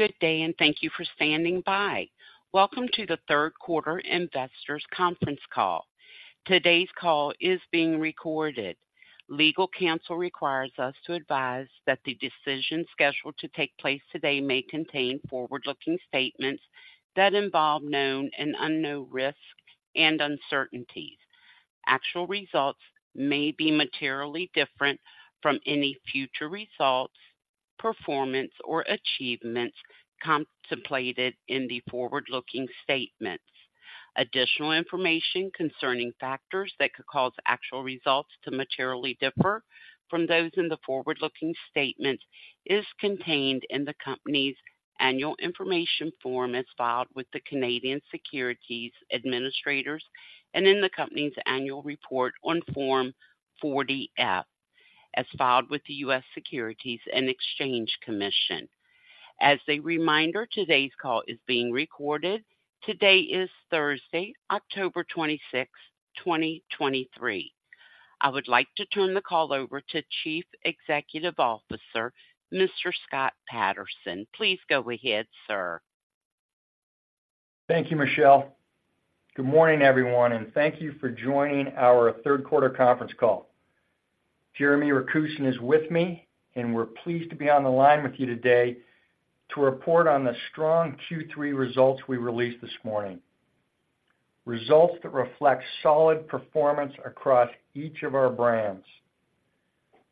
Good day, and thank you for standing by. Welcome to the Q3 investors conference call. Today's call is being recorded. Legal counsel requires us to advise that the discussion scheduled to take place today may contain forward-looking statements that involve known and unknown risks and uncertainties. Actual results may be materially different from any future results, performance, or achievements contemplated in the forward-looking statements. Additional information concerning factors that could cause actual results to materially differ from those in the forward-looking statements is contained in the company's annual information form as filed with the Canadian Securities Administrators and in the company's annual report on Form 40-F, as filed with the U.S. Securities and Exchange Commission. As a reminder, today's call is being recorded. Today is Thursday, October 26th, 2023. I would like to turn the call over to Chief Executive Officer, Mr. Scott Patterson. Please go ahead, sir. Thank you, Michelle. Good morning, everyone, and thank you for joining our Q3 conference call. Jeremy Rakusin is with me, and we're pleased to be on the line with you today to report on the strong Q3 results we released this morning. Results that reflect solid performance across each of our brands.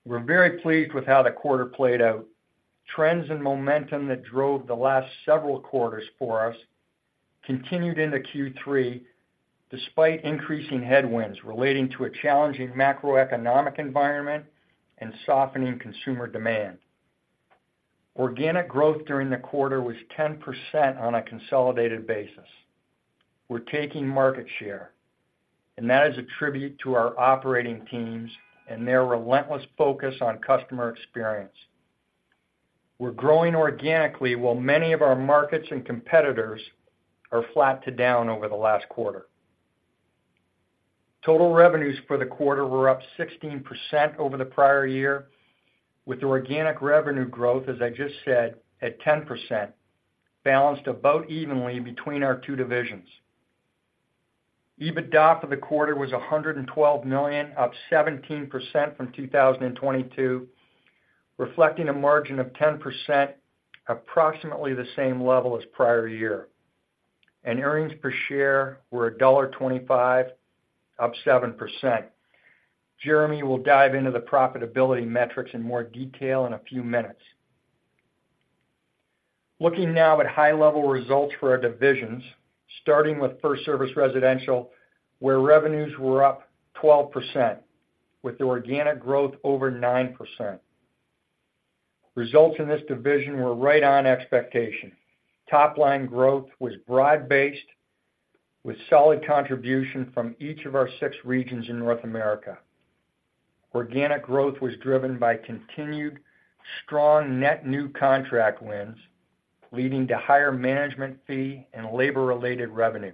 We're very pleased with how the quarter played out. Trends and momentum that drove the last several quarters for us continued into Q3, despite increasing headwinds relating to a challenging macroeconomic environment and softening consumer demand. Organic growth during the quarter was 10% on a consolidated basis. We're taking market share, and that is a tribute to our operating teams and their relentless focus on customer experience. We're growing organically while many of our markets and competitors are flat to down over the last quarter. Total revenues for the quarter were up 16% over the prior year, with organic revenue growth, as I just said, at 10%, balanced about evenly between our two divisions. EBITDA for the quarter was $112 million, up 17% from 2022, reflecting a margin of 10%, approximately the same level as prior year. Earnings per share were $1.25, up 7%. Jeremy will dive into the profitability metrics in more detail in a few minutes. Looking now at high-level results for our divisions, starting with FirstService Residential, where revenues were up 12%, with organic growth over 9%. Results in this division were right on expectation. Top-line growth was broad-based, with solid contribution from each of our six regions in North America. Organic growth was driven by continued strong net new contract wins, leading to higher management fee and labor-related revenue.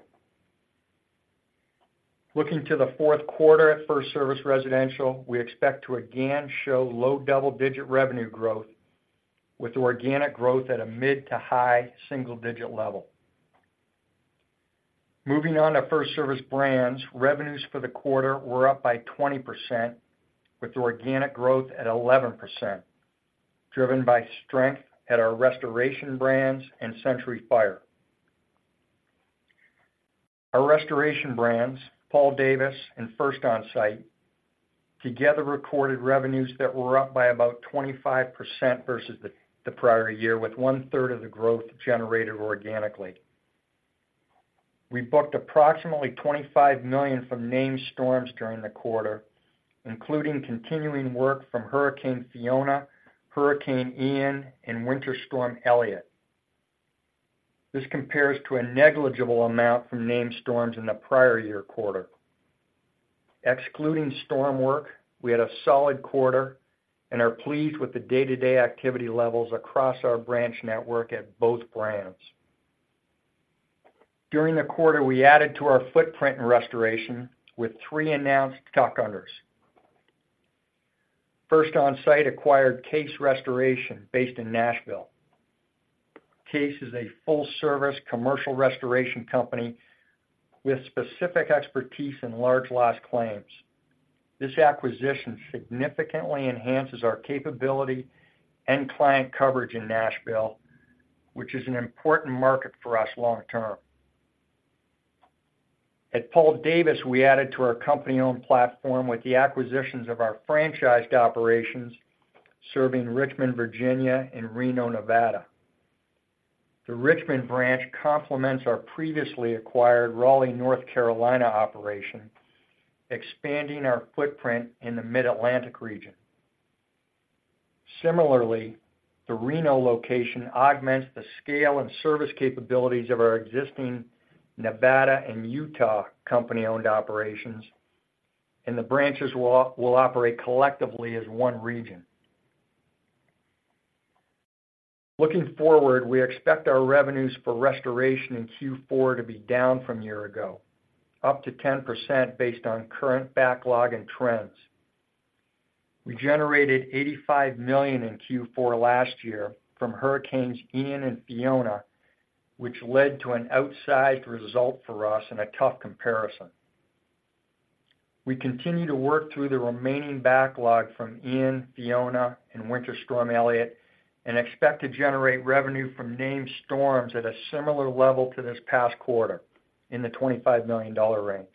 Looking to the Q4 at FirstService Residential, we expect to again show low double-digit revenue growth, with organic growth at a mid to high single digit level. Moving on to FirstService Brands. Revenues for the quarter were up by 20%, with organic growth at 11%, driven by strength at our restoration brands and Century Fire. Our restoration brands, Paul Davis and First Onsite, together recorded revenues that were up by about 25% versus the prior year, with one-third of the growth generated organically. We booked approximately $25 million from named storms during the quarter, including continuing work from Hurricane Fiona, Hurricane Ian, and Winter Storm Elliott. This compares to a negligible amount from named storms in the prior year quarter. Excluding storm work, we had a solid quarter and are pleased with the day-to-day activity levels across our branch network at both brands. During the quarter, we added to our footprint in restoration with three announced tuck-unders. First Onsite acquired Case Restoration, based in Nashville. Case is a full-service commercial restoration company with specific expertise in large loss claims. This acquisition significantly enhances our capability and client coverage in Nashville, which is an important market for us long term. At Paul Davis, we added to our company-owned platform with the acquisitions of our franchised operations serving Richmond, Virginia, and Reno, Nevada. The Richmond branch complements our previously acquired Raleigh, North Carolina, operation, expanding our footprint in the Mid-Atlantic region. Similarly, the Reno location augments the scale and service capabilities of our existing Nevada and Utah company-owned operations, and the branches will operate collectively as one region. Looking forward, we expect our revenues for restoration in Q4 to be down from a year ago, up to 10% based on current backlog and trends. We generated $85 million in Q4 last year from hurricanes Ian and Fiona, which led to an outsized result for us and a tough comparison. We continue to work through the remaining backlog from Ian, Fiona, and Winter Storm Elliott, and expect to generate revenue from named storms at a similar level to this past quarter, in the $25 million range.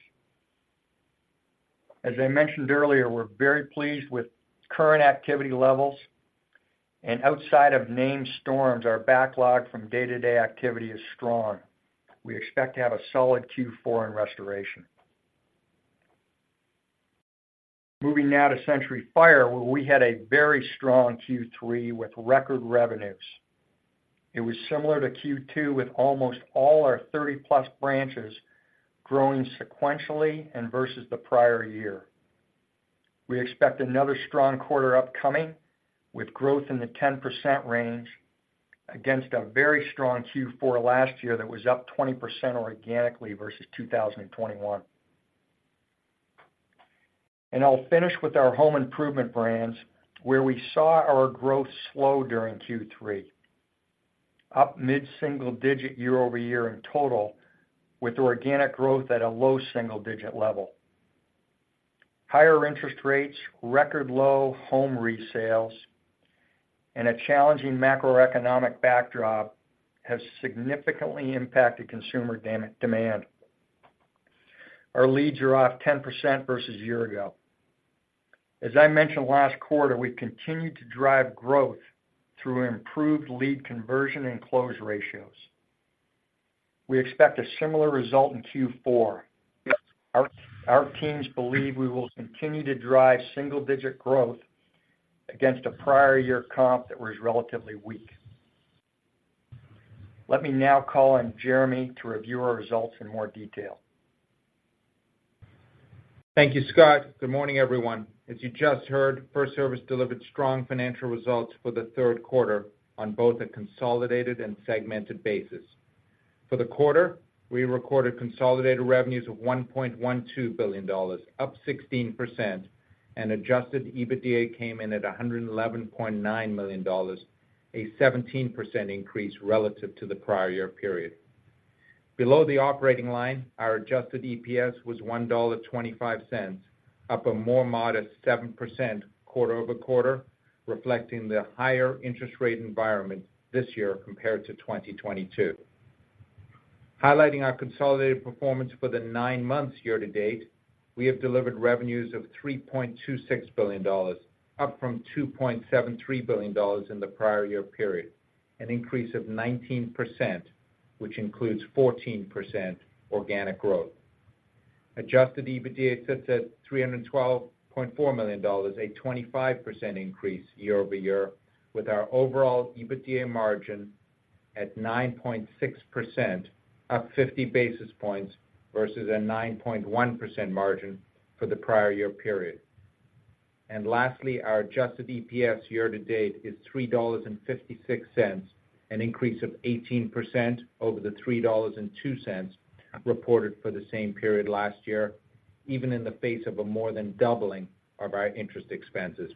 As I mentioned earlier, we're very pleased with current activity levels, and outside of named storms, our backlog from day-to-day activity is strong. We expect to have a solid Q4 in restoration. Moving now to Century Fire, where we had a very strong Q3 with record revenues. It was similar to Q2, with almost all our 30+ branches growing sequentially and versus the prior year. We expect another strong quarter upcoming, with growth in the 10% range, against a very strong Q4 last year that was up 20% organically versus 2021. And I'll finish with our home improvement brands, where we saw our growth slow during Q3, up mid-single-digit year-over-year in total, with organic growth at a low single-digit level. Higher interest rates, record low home resales, and a challenging macroeconomic backdrop have significantly impacted consumer demand. Our leads are off 10% versus a year ago. As I mentioned last quarter, we continue to drive growth through improved lead conversion and close ratios. We expect a similar result in Q4. Our teams believe we will continue to drive single-digit growth against a prior year comp that was relatively weak. Let me now call on Jeremy to review our results in more detail. Thank you, Scott. Good morning, everyone. As you just heard, FirstService delivered strong financial results for the Q3 on both a consolidated and segmented basis. For the quarter, we recorded consolidated revenues of $1.12 billion, up 16%, and adjusted EBITDA came in at $111.9 million, a 17% increase relative to the prior year period. Below the operating line, our adjusted EPS was $1.25, up a more modest 7% quarter-over-quarter, reflecting the higher interest rate environment this year compared to 2022. Highlighting our consolidated performance for the nine months year-to-date, we have delivered revenues of $3.26 billion, up from $2.73 billion in the prior year period, an increase of 19%, which includes 14% organic growth. Adjusted EBITDA sits at $312.4 million, a 25% increase year-over-year, with our overall EBITDA margin at 9.6%, up 50 basis points versus a 9.1% margin for the prior year period. And lastly, our adjusted EPS year-to-date is $3.56, an increase of 18% over the $3.02 reported for the same period last year, even in the face of a more than doubling of our interest expenses.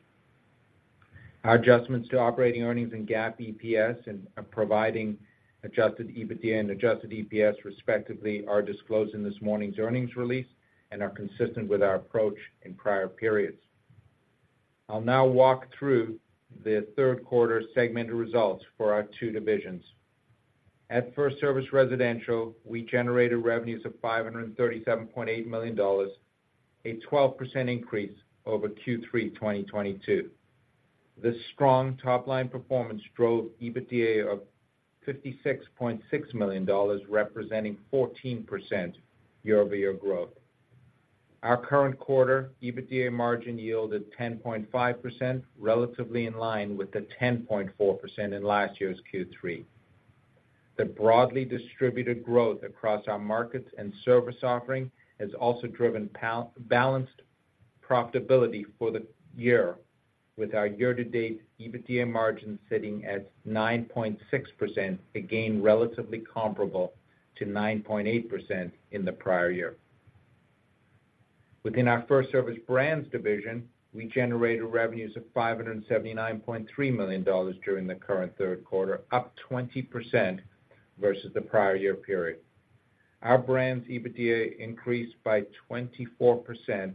Our adjustments to operating earnings and GAAP EPS, and providing adjusted EBITDA and adjusted EPS, respectively, are disclosed in this morning's earnings release and are consistent with our approach in prior periods. I'll now walk through the Q3 segmented results for our two divisions. At FirstService Residential, we generated revenues of $537.8 million, a 12% increase over Q3 2022. This strong top-line performance drove EBITDA of $56.6 million, representing 14% year-over-year growth. Our current quarter EBITDA margin yielded 10.5%, relatively in line with the 10.4% in last year's Q3. The broadly distributed growth across our markets and service offering has also driven balanced profitability for the year, with our year-to-date EBITDA margin sitting at 9.6%, again, relatively comparable to 9.8% in the prior year. Within our FirstService Brands division, we generated revenues of $579.3 million during the current Q3, up 20% versus the prior year period. Our brands EBITDA increased by 24%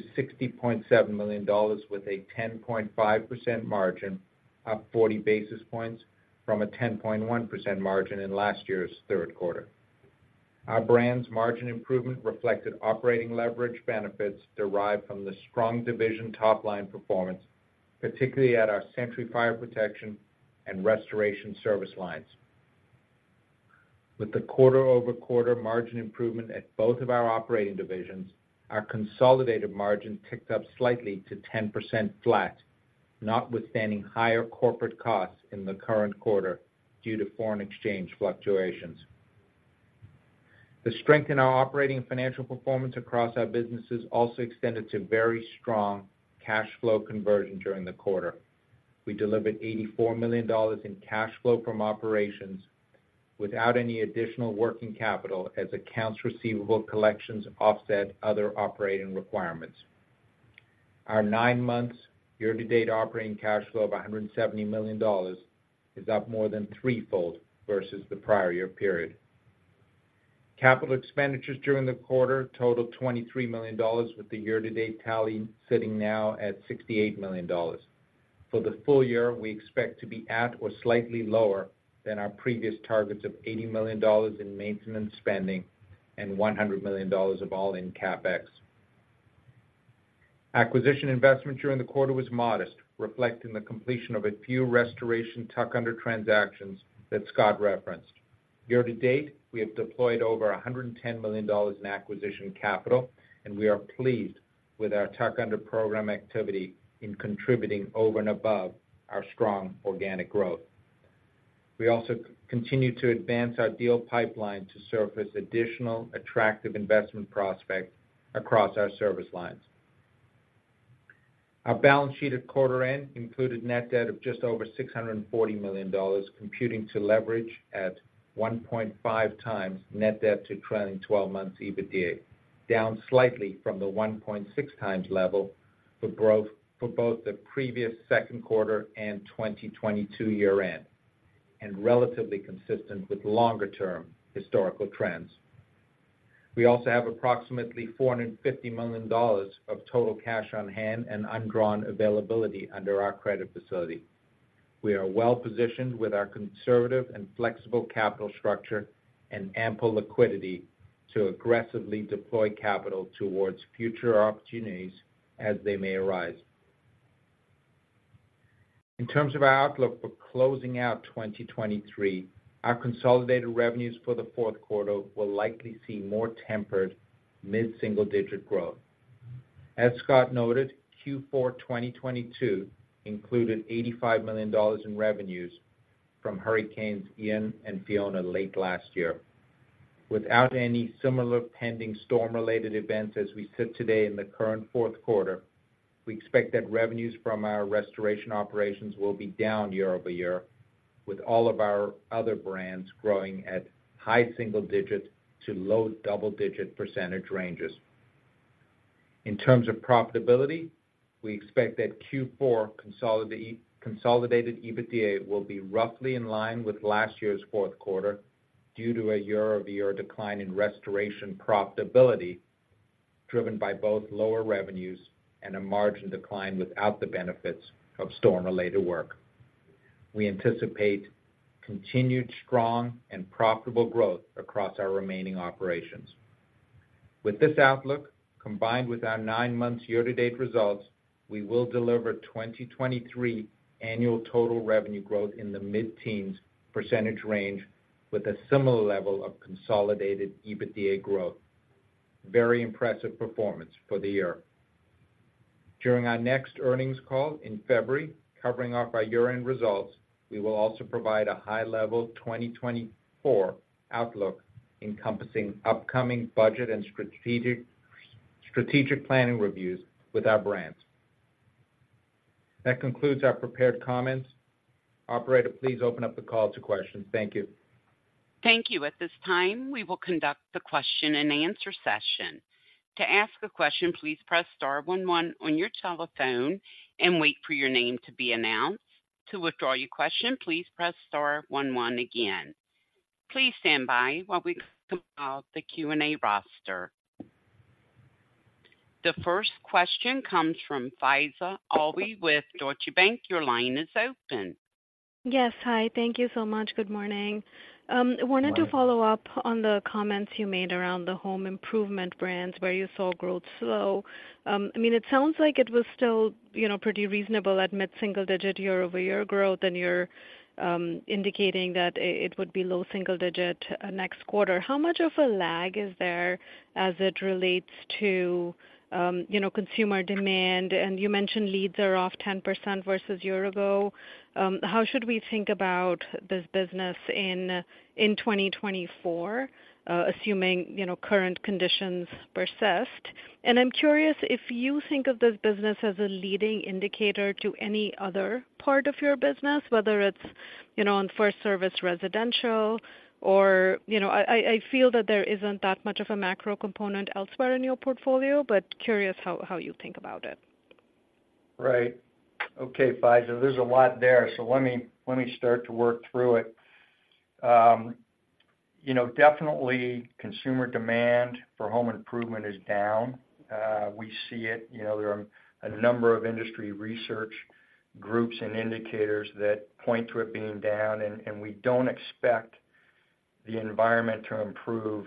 to $60.7 million, with a 10.5% margin, up 40 basis points from a 10.1% margin in last year's Q3. Our brands margin improvement reflected operating leverage benefits derived from the strong division top-line performance, particularly at our Century Fire Protection and Restoration Service lines. With the quarter-over-quarter margin improvement at both of our operating divisions, our consolidated margin ticked up slightly to 10% flat, notwithstanding higher corporate costs in the current quarter due to foreign exchange fluctuations. The strength in our operating and financial performance across our businesses also extended to very strong cash flow conversion during the quarter. We delivered $84 million in cash flow from operations without any additional working capital as accounts receivable collections offset other operating requirements. Our nine months year-to-date operating cash flow of $170 million is up more than threefold versus the prior year period. Capital expenditures during the quarter totaled $23 million, with the year-to-date tally sitting now at $68 million. For the full year, we expect to be at or slightly lower than our previous targets of $80 million in maintenance spending and $100 million of all-in CapEx. Acquisition investment during the quarter was modest, reflecting the completion of a few restoration tuck-under transactions that Scott referenced. Year to date, we have deployed over $110 million in acquisition capital, and we are pleased with our tuck-under program activity in contributing over and above our strong organic growth. We also continue to advance our deal pipeline to surface additional attractive investment prospects across our service lines. Our balance sheet at quarter end included net debt of just over $640 million, computing to leverage at 1.5x net debt to trailing twelve months EBITDA, down slightly from the 1.6x level for growth for both the previous Q2 and 2022 year end, and relatively consistent with longer term historical trends. We also have approximately $450 million of total cash on hand and undrawn availability under our credit facility. We are well positioned with our conservative and flexible capital structure and ample liquidity to aggressively deploy capital towards future opportunities as they may arise. In terms of our outlook for closing out 2023, our consolidated revenues for the Q4 will likely see more tempered mid-single digit growth. As Scott noted, Q4 2022 included $85 million in revenues from hurricanes Ian and Fiona late last year. Without any similar pending storm-related events as we sit today in the current Q4, we expect that revenues from our restoration operations will be down year over year, with all of our other brands growing at high single digits to low double-digit percentage ranges. In terms of profitability, we expect that Q4 consolidated EBITDA will be roughly in line with last year's Q4 due to a year-over-year decline in restoration profitability, driven by both lower revenues and a margin decline without the benefits of storm-related work. We anticipate continued strong and profitable growth across our remaining operations. With this outlook, combined with our nine months year-to-date results, we will deliver 2023 annual total revenue growth in the mid-teens % range, with a similar level of consolidated EBITDA growth. Very impressive performance for the year. During our next earnings call in February, covering off our year-end results, we will also provide a high-level 2024 outlook encompassing upcoming budget and strategic, strategic planning reviews with our brands. That concludes our prepared comments. Operator, please open up the call to questions. Thank you. Thank you. At this time, we will conduct the question-and-answer session. To ask a question, please press star one one on your telephone and wait for your name to be announced. To withdraw your question, please press star one one again. Please stand by while we compile the Q&A roster. The first question comes from Faiza Alwy with Deutsche Bank. Your line is open. Yes. Hi, thank you so much. Good morning. I wanted to follow up on the comments you made around the home improvement brands, where you saw growth slow. I mean, it sounds like it was still, you know, pretty reasonable at mid-single digit year-over-year growth, and you're indicating that it would be low single digit next quarter. How much of a lag is there as it relates to, you know, consumer demand? And you mentioned leads are off 10% versus year ago. How should we think about this business in 2024, assuming, you know, current conditions persist? And I'm curious if you think of this business as a leading indicator to any other part of your business, whether it's, you know, on FirstService Residential or, you know... I feel that there isn't that much of a macro component elsewhere in your portfolio, but curious how you think about it. Right. Okay, Faiza, there's a lot there, so let me, let me start to work through it. You know, definitely consumer demand for home improvement is down. We see it. You know, there are a number of industry research groups and indicators that point to it being down, and we don't expect the environment to improve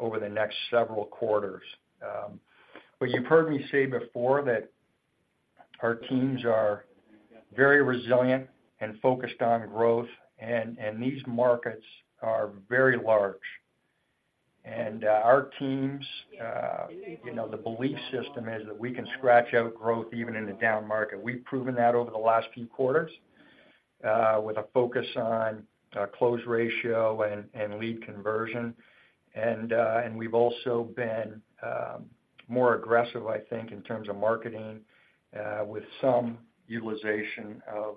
over the next several quarters. But you've heard me say before that our teams are very resilient and focused on growth, and these markets are very large. And our teams, you know, the belief system is that we can scratch out growth even in a down market. We've proven that over the last few quarters with a focus on close ratio and lead conversion. And we've also been more aggressive, I think, in terms of marketing, with some utilization of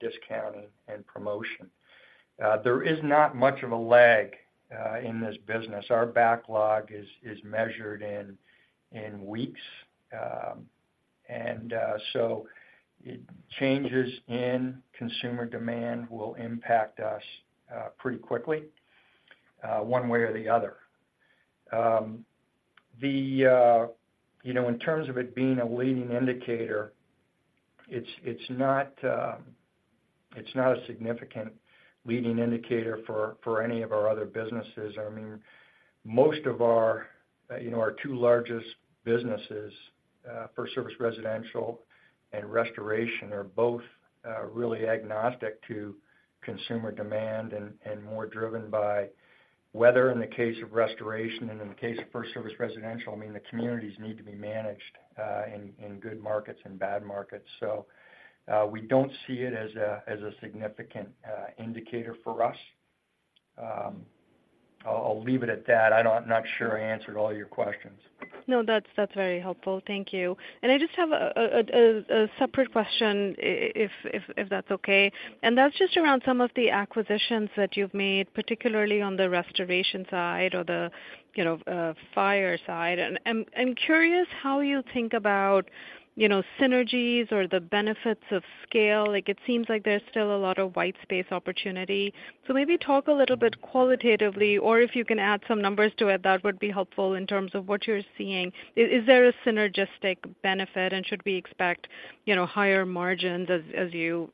discounting and promotion.... There is not much of a lag in this business. Our backlog is measured in weeks. So changes in consumer demand will impact us pretty quickly, one way or the other. You know, in terms of it being a leading indicator, it's not a significant leading indicator for any of our other businesses. I mean, most of our, you know, our two largest businesses, FirstService Residential and Restoration, are both really agnostic to consumer demand and more driven by weather in the case of Restoration, and in the case of FirstService Residential, I mean, the communities need to be managed in good markets and bad markets. So we don't see it as a significant indicator for us. I'll leave it at that. I'm not sure I answered all your questions. No, that's very helpful. Thank you. And I just have a separate question, if that's okay. And that's just around some of the acquisitions that you've made, particularly on the restoration side or the, you know, fire side. And I'm curious how you think about, you know, synergies or the benefits of scale. Like, it seems like there's still a lot of white space opportunity. So maybe talk a little bit qualitatively, or if you can add some numbers to it, that would be helpful in terms of what you're seeing. Is there a synergistic benefit, and should we expect, you know, higher margins as you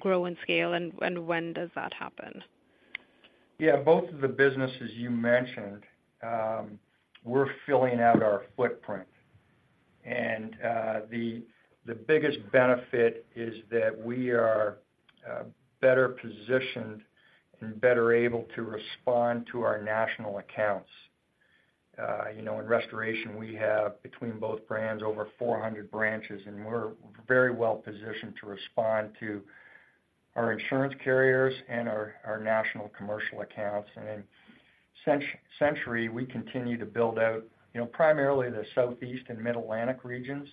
grow and scale, and when does that happen? Yeah, both of the businesses you mentioned, we're filling out our footprint. And, the biggest benefit is that we are, better positioned and better able to respond to our national accounts. You know, in Restoration, we have, between both brands, over 400 branches, and we're very well positioned to respond to our insurance carriers and our national commercial accounts. And in Century, we continue to build out, you know, primarily the Southeast and Mid-Atlantic regions.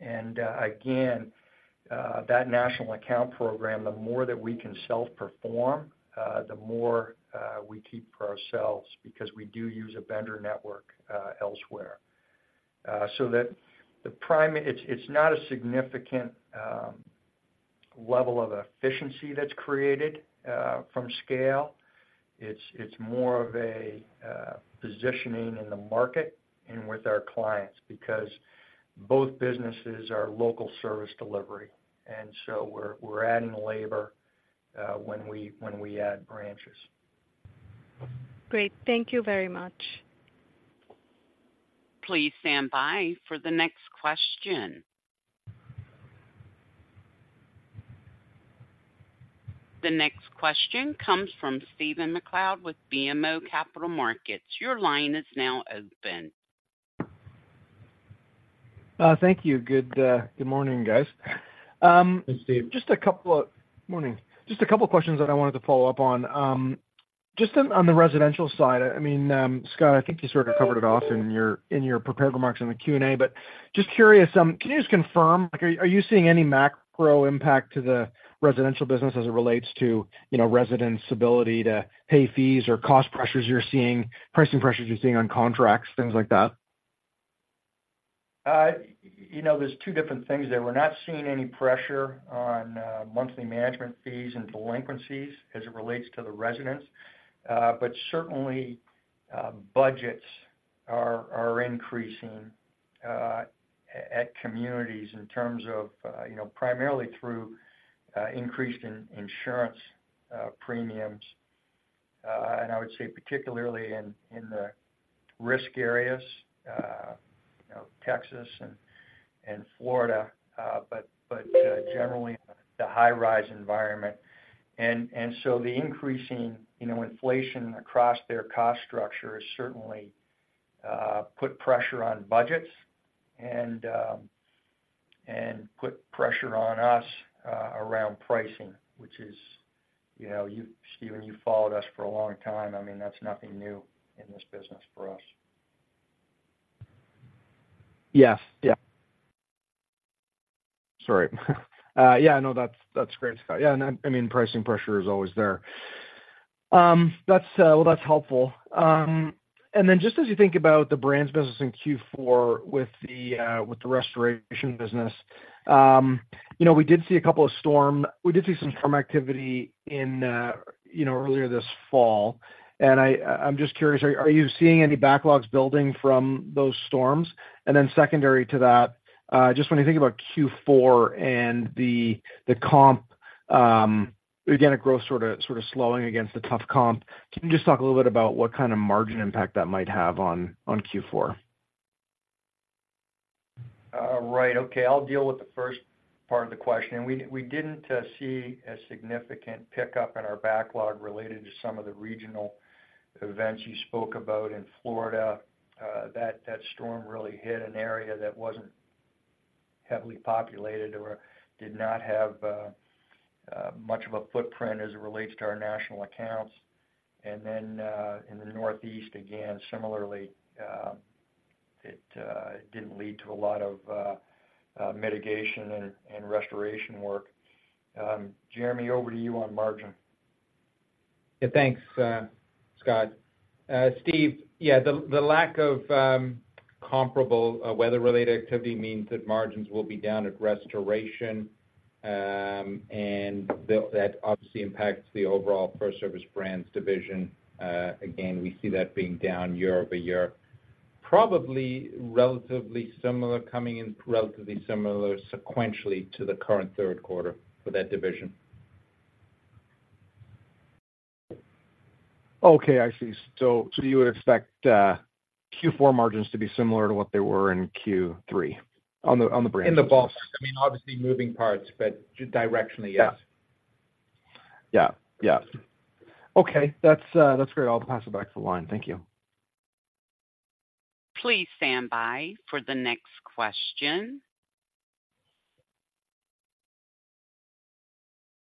And, again, that national account program, the more that we can self-perform, the more, we keep for ourselves, because we do use a vendor network, elsewhere. It's not a significant level of efficiency that's created from scale. It's more of a positioning in the market and with our clients, because both businesses are local service delivery, and so we're adding labor when we add branches. Great. Thank you very much. Please stand by for the next question. The next question comes from Stephen MacLeod with BMO Capital Markets. Your line is now open. Thank you. Good, good morning, guys. Hey, Steve. Just a couple of... Morning. Just a couple of questions that I wanted to follow up on. Just on the residential side, I mean, Scott, I think you sort of covered it off in your prepared remarks in the Q&A. But just curious, can you just confirm, like, are you seeing any macro impact to the residential business as it relates to, you know, residents' ability to pay fees or cost pressures you're seeing, pricing pressures you're seeing on contracts, things like that? You know, there's two different things there. We're not seeing any pressure on monthly management fees and delinquencies as it relates to the residents. But certainly, budgets are increasing at communities in terms of you know, primarily through increased insurance premiums. And I would say particularly in the risk areas, you know, Texas and Florida, but generally, the high-rise environment. And so the increasing you know, inflation across their cost structure has certainly put pressure on budgets and put pressure on us around pricing, which is, you know, you, Steven, you've followed us for a long time. I mean, that's nothing new in this business for us. Yes. Yeah. Sorry. Yeah, no, that's, that's great, Scott. Yeah, and I mean, pricing pressure is always there. That's, well, that's helpful. And then just as you think about the brands business in Q4 with the, with the restoration business, you know, we did see some storm activity in, you know, earlier this fall, and I'm just curious, are you seeing any backlogs building from those storms? And then secondary to that, just when you think about Q4 and the, the comp, organic growth sort of slowing against the tough comp, can you just talk a little bit about what kind of margin impact that might have on Q4? Right. Okay, I'll deal with the first part of the question. We didn't see a significant pickup in our backlog related to some of the regional events you spoke about in Florida. That storm really hit an area that wasn't heavily populated or did not have much of a footprint as it relates to our national accounts. And then, in the Northeast, again, similarly, it didn't lead to a lot of mitigation and restoration work. Jeremy, over to you on margin. Yeah, thanks, Scott. Steve, yeah, the lack of comparable weather-related activity means that margins will be down at restoration. And that obviously impacts the overall FirstService Brands division. Again, we see that being down year-over-year. Probably relatively similar, coming in relatively similar sequentially to the current Q3 for that division. Okay, I see. So, so you would expect Q4 margins to be similar to what they were in Q3 on the, on the Brands- In the bulk. I mean, obviously, moving parts, but directionally, yes. Yeah. Yeah. Okay, that's, that's great. I'll pass it back to the line. Thank you. Please stand by for the next question.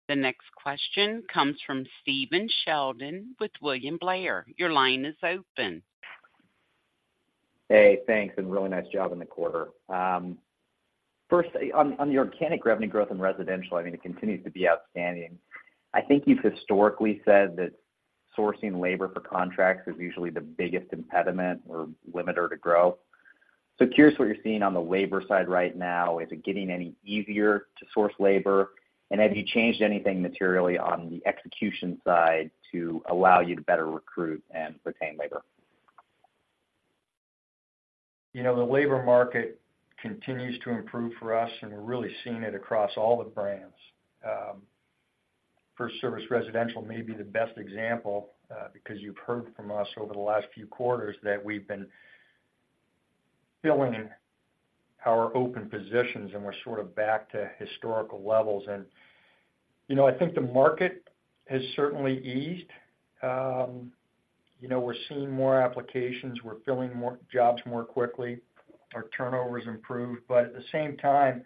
The next question comes from Stephen Sheldon with William Blair. Your line is open. Hey, thanks, and really nice job in the quarter. First, on the organic revenue growth in residential, I mean, it continues to be outstanding. I think you've historically said that sourcing labor for contracts is usually the biggest impediment or limiter to grow. So curious what you're seeing on the labor side right now. Is it getting any easier to source labor? And have you changed anything materially on the execution side to allow you to better recruit and retain labor? You know, the labor market continues to improve for us, and we're really seeing it across all the brands. FirstService Residential may be the best example, because you've heard from us over the last few quarters that we've been filling our open positions, and we're sort of back to historical levels. And, you know, I think the market has certainly eased. You know, we're seeing more applications, we're filling more jobs more quickly. Our turnover has improved. But at the same time,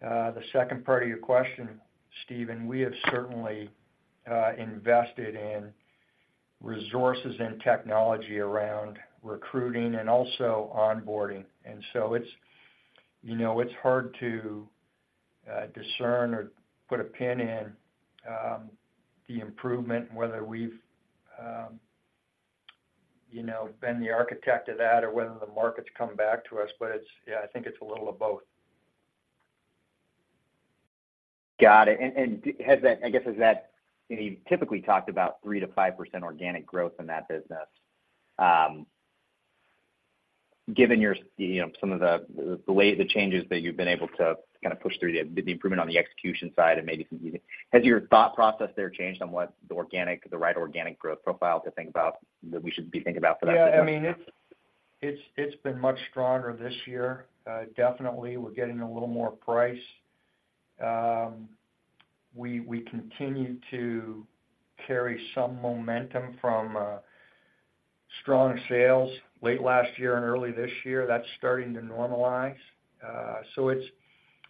the second part of your question, Steven, we have certainly invested in resources and technology around recruiting and also onboarding. And so it's, you know, it's hard to discern or put a pin in the improvement, whether we've, you know, been the architect of that or whether the market's come back to us. But it's, yeah, I think it's a little of both. Got it. And has that—I guess, you know, you've typically talked about 3%-5% organic growth in that business. Given your, you know, some of the way the changes that you've been able to kind of push through the improvement on the execution side and maybe some... Has your thought process there changed on what the organic, the right organic growth profile to think about, that we should be thinking about for that? Yeah, I mean, it's been much stronger this year. Definitely, we're getting a little more price. We continue to carry some momentum from strong sales late last year and early this year. That's starting to normalize. So it's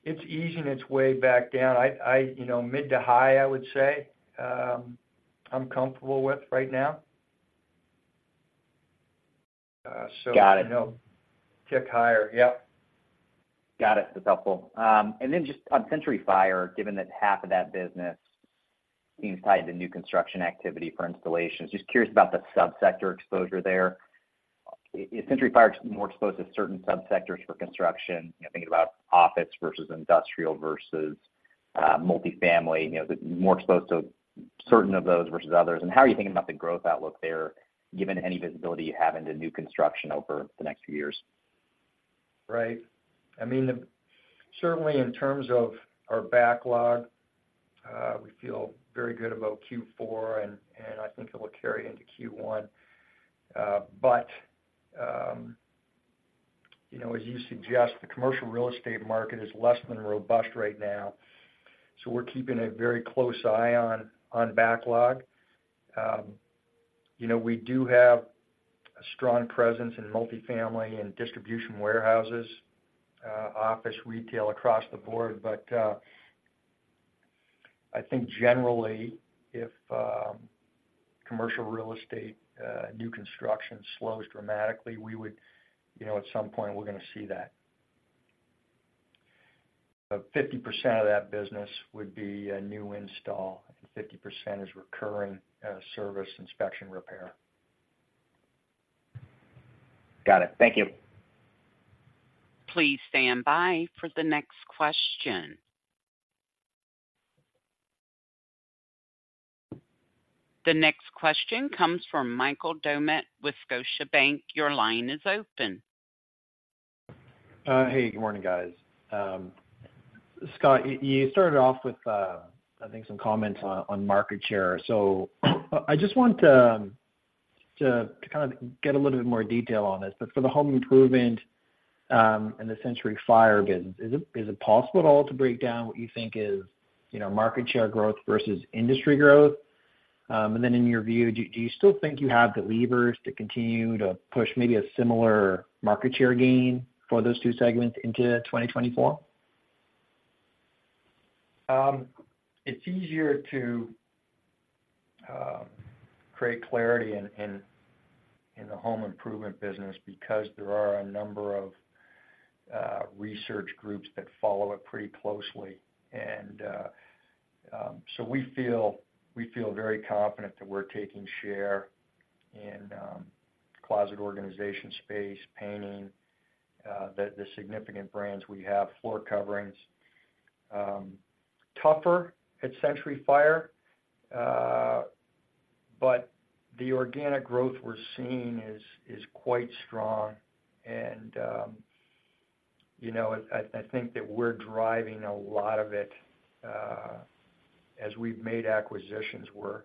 easing its way back down. You know, mid to high, I would say, I'm comfortable with right now. So- Got it. Tick higher. Yep. Got it. That's helpful. And then just on Century Fire, given that half of that business seems tied to new construction activity for installations, just curious about the subsector exposure there. Is Century Fire more exposed to certain subsectors for construction? You know, thinking about office versus industrial versus multifamily, you know, is it more exposed to certain of those versus others? And how are you thinking about the growth outlook there, given any visibility you have into new construction over the next few years? Right. I mean, certainly in terms of our backlog, we feel very good about Q4, and I think it will carry into Q1. But you know, as you suggest, the commercial real estate market is less than robust right now, so we're keeping a very close eye on backlog. You know, we do have a strong presence in multifamily and distribution warehouses, office, retail, across the board. But I think generally, if commercial real estate new construction slows dramatically, we would, you know, at some point we're gonna see that. But 50% of that business would be a new install, and 50% is recurring service, inspection, repair. Got it. Thank you. Please stand by for the next question. The next question comes from Michael Doumet with Scotiabank. Your line is open. Hey, good morning, guys. Scott, you started off with, I think some comments on market share. So I just want to kind of get a little bit more detail on this. But for the home improvement and the Century Fire business, is it possible at all to break down what you think is, you know, market share growth versus industry growth? And then in your view, do you still think you have the levers to continue to push maybe a similar market share gain for those two segments into 2024? It's easier to create clarity in the home improvement business because there are a number of research groups that follow it pretty closely. We feel very confident that we're taking share in closet organization space, painting, the significant brands we have, floor coverings. Tougher at Century Fire, but the organic growth we're seeing is quite strong. You know, I think that we're driving a lot of it as we've made acquisitions, we're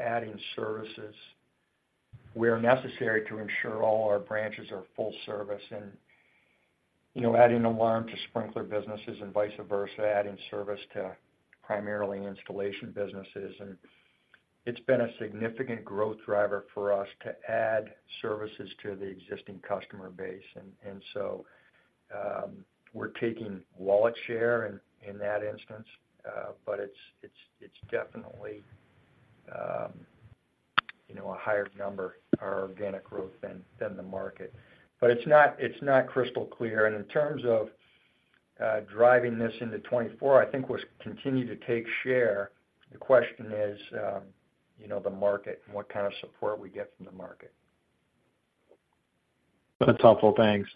adding services where necessary to ensure all our branches are full service and, you know, adding alarm to sprinkler businesses and vice versa, adding service to primarily installation businesses. It's been a significant growth driver for us to add services to the existing customer base. So, we're taking wallet share in that instance, but it's definitely, you know, a higher number, our organic growth than the market. But it's not crystal clear. And in terms of driving this into 2024, I think we'll continue to take share. The question is, you know, the market and what kind of support we get from the market. That's helpful. Thanks.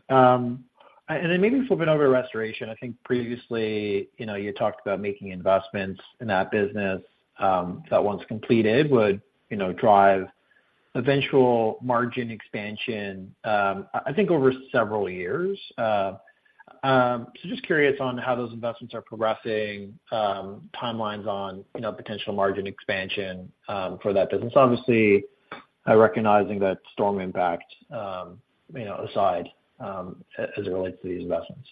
And then maybe flipping over to Restoration. I think previously, you know, you talked about making investments in that business, that once completed, would, you know, drive eventual margin expansion, I think over several years. So just curious on how those investments are progressing, timelines on, you know, potential margin expansion, for that business. Obviously, recognizing that storm impact, you know, aside, as it relates to these investments.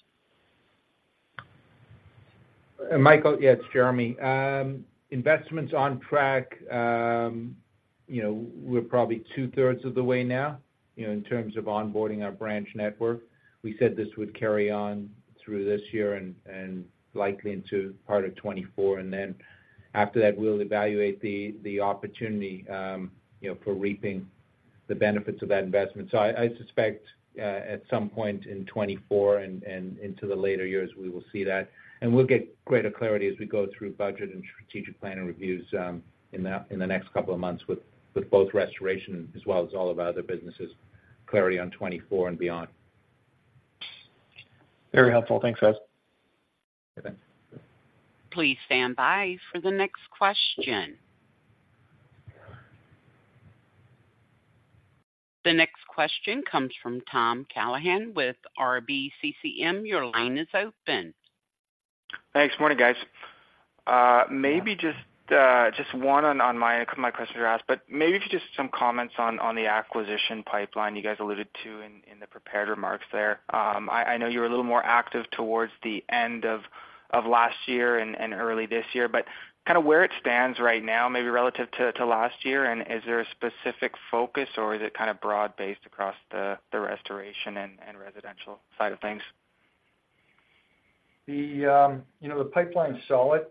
Michael, yeah, it's Jeremy. Investment's on track. You know, we're probably two-thirds of the way now, you know, in terms of onboarding our branch network. We said this would carry on through this year and, and likely into part of 2024. And then after that, we'll evaluate the, the opportunity, you know, for reaping the benefits of that investment. So I, I suspect, at some point in 2024 and, and into the later years, we will see that. And we'll get greater clarity as we go through budget and strategic planning reviews, in the, in the next couple of months with, with both Restoration, as well as all of our other businesses, clarity on 2024 and beyond. Very helpful. Thanks, guys. Please stand by for the next question. The next question comes from Tom Callaghan with RBCCM. Your line is open. Thanks. Morning, guys. Maybe just, just one on my, a couple of my questions are asked, but maybe just some comments on the acquisition pipeline you guys alluded to in the prepared remarks there. I know you were a little more active towards the end of last year and early this year, but kind of where it stands right now, maybe relative to last year, and is there a specific focus or is it kind of broad-based across the restoration and residential side of things? The, you know, the pipeline's solid.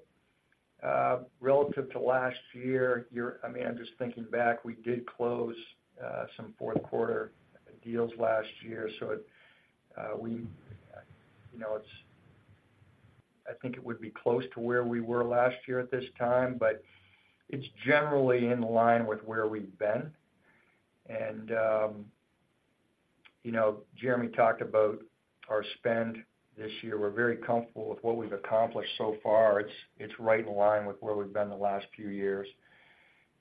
Relative to last year, year... I mean, I'm just thinking back, we did close, some Q4 deals last year, so it, we, you know, it's-- I think it would be close to where we were last year at this time, but it's generally in line with where we've been. And, you know, Jeremy talked about our spend this year. We're very comfortable with what we've accomplished so far. It's, it's right in line with where we've been the last few years,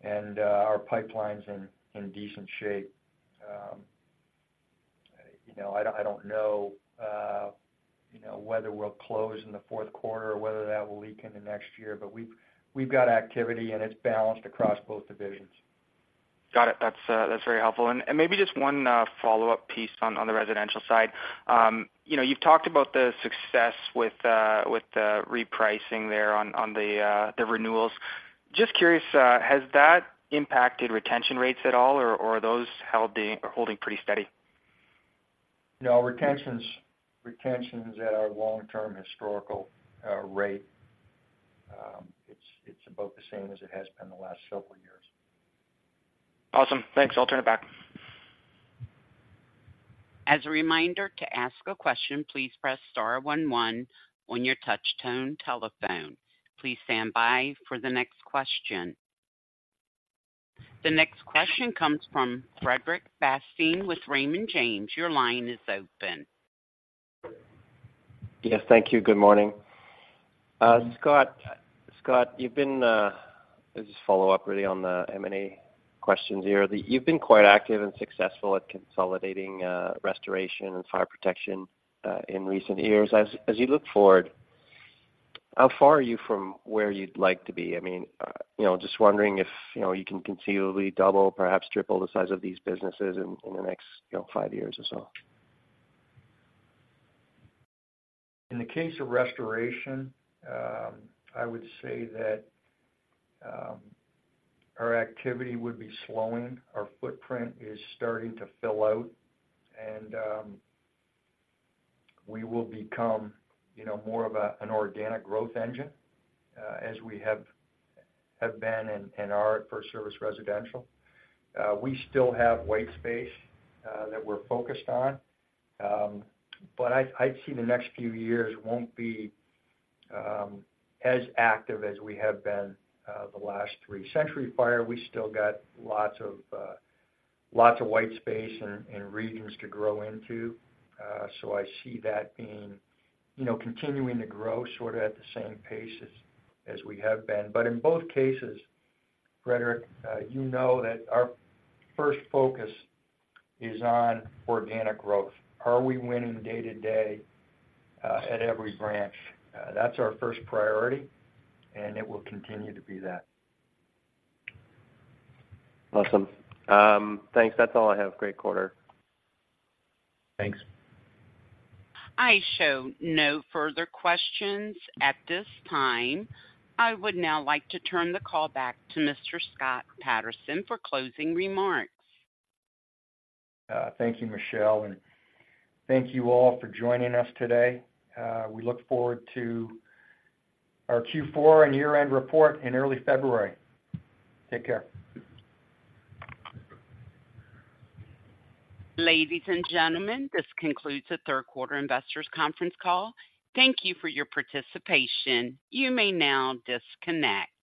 and, our pipeline's in, in decent shape. You know, I don't, I don't know, you know, whether we'll close in the Q4 or whether that will leak into next year, but we've, we've got activity, and it's balanced across both divisions. Got it. That's, that's very helpful. And, and maybe just one follow-up piece on, on the residential side. You know, you've talked about the success with, with the repricing there on, on the, the renewals. Just curious, has that impacted retention rates at all, or, or are those holding, holding pretty steady? No, retention is at our long-term historical rate. It's about the same as it has been the last several years. Awesome. Thanks. I'll turn it back. As a reminder, to ask a question, please press star one one on your touch tone telephone. Please stand by for the next question. The next question comes from Frederic Bastien with Raymond James. Your line is open. Yes, thank you. Good morning. Scott, you've been just follow up really on the M&A questions here. You've been quite active and successful at consolidating restoration and fire protection in recent years. As you look forward, how far are you from where you'd like to be? I mean, you know, just wondering if, you know, you can conceivably double, perhaps triple the size of these businesses in the next, you know, five years or so. In the case of Restoration, I would say that our activity would be slowing. Our footprint is starting to fill out, and we will become, you know, more of a organic growth engine as we have been and are at FirstService Residential. We still have white space that we're focused on. But I'd see the next few years won't be as active as we have been the last three. Century Fire, we still got lots of white space and regions to grow into, so I see that being, you know, continuing to grow sort of at the same pace as we have been. But in both cases, Frederick, you know that our first focus is on organic growth. Are we winning day-to-day at every branch? That's our first priority, and it will continue to be that. Awesome. Thanks. That's all I have. Great quarter. Thanks. I show no further questions at this time. I would now like to turn the call back to Mr. Scott Patterson for closing remarks. Thank you, Michelle, and thank you all for joining us today. We look forward to our Q4 and year-end report in early February. Take care. Ladies and gentlemen, this concludes the Q3 investors conference call. Thank you for your participation. You may now disconnect.